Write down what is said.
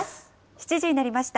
７時になりました。